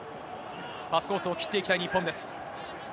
パスコースを切っていきたい日本です。